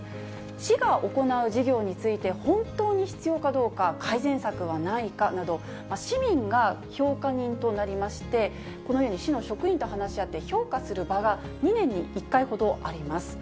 市が行う事業について本当に必要かどうか、改善策はないかなど、市民が評価人となりまして、このように市の職員と話し合って評価する場が２年に１回ほどあります。